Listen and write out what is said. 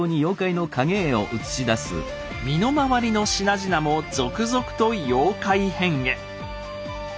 身の回りの品々も続々と妖怪変化。